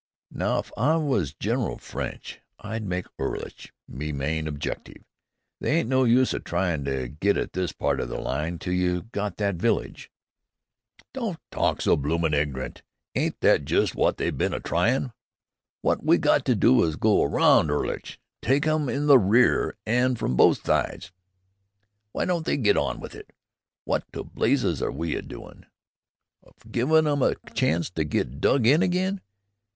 "Now, if I was General French, I'd make 'Ulluch me main objective. They ain't no use tryin' to get by at this part o' the line till you got that village." "Don't talk so bloomin' ignorant! Ain't that just wot they been a tryin'? Wot we got to do is go 'round 'Ulluch. Tyke 'em in the rear an' from both sides." "W'y don't they get on with it? Wot to blazes are we a doin' of, givin' 'em a chanct to get dug in again?